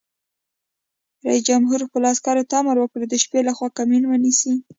رئیس جمهور خپلو عسکرو ته امر وکړ؛ د شپې لخوا کمین ونیسئ!